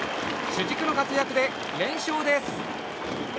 主軸の活躍で連勝です。